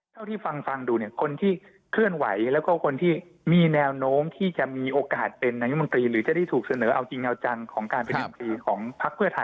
ใช่ให้มีคู่เทียบจะได้ไม่เสนอคนเดียวและถูกมองว่าเสนอซ้ำ